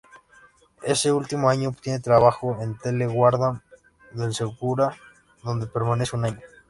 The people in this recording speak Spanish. Ese último año obtiene trabajo en Tele Guardamar del Segura donde permanece un año.